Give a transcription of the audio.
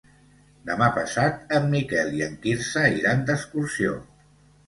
Demà passat en Miquel i en Quirze iran d'excursió.